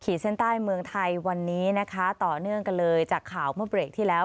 เส้นใต้เมืองไทยวันนี้นะคะต่อเนื่องกันเลยจากข่าวเมื่อเบรกที่แล้ว